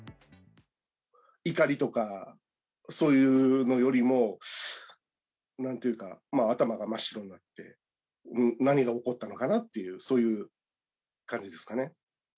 怒りとかそういうのよりも、なんというか、頭が真っ白になって、何が起こったのかなっていう、そういう感じですかね。